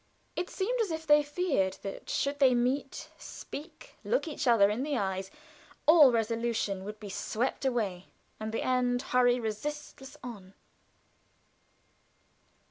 It seemed as if they feared that should they meet, speak, look each other in the eyes, all resolution would be swept away, and the end hurry resistless on.